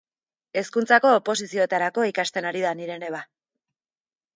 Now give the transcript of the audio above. Hezkuntzako oposizioetarako ikasten ari da nire neba.